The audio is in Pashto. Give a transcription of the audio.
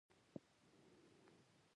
ترڅو چې لرګي پر خمیره یا پلپ تبدیل شي.